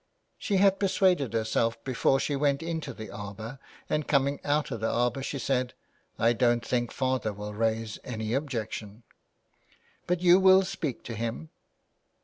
She had persuaded herself before she went into the arbour, and coming out of the arbour she said :—" I don't think father will raise any objection." " But you will speak to him.